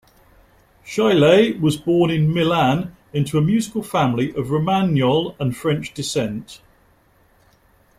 Chailly was born in Milan into a musical family of Romagnol and French descent.